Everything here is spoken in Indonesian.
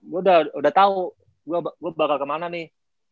gue udah tau gue bakal kemana nih